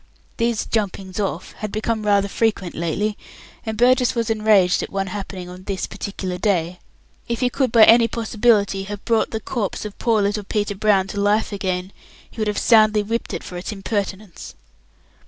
These "jumpings off" had become rather frequent lately, and Burgess was enraged at one happening on this particular day. If he could by any possibility have brought the corpse of poor little Peter Brown to life again, he would have soundly whipped it for its impertinence.